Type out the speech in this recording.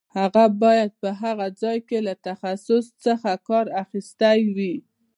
هغه باید په هغه ځای کې له تخصص څخه کار اخیستی وای.